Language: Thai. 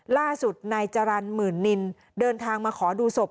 ล่าสุดนายจรรย์หมื่นนินเดินทางมาขอดูศพ